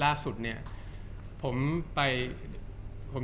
จากความไม่เข้าจันทร์ของผู้ใหญ่ของพ่อกับแม่